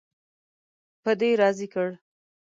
په دې راضي کړ.